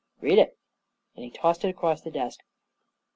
Read it," and he tossed it across the desk.